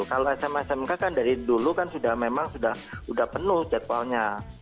kalau sma smk kan dari dulu kan sudah memang sudah penuh jadwalnya